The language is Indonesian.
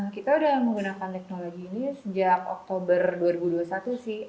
kita udah menggunakan teknologi ini sejak oktober dua ribu dua puluh satu sih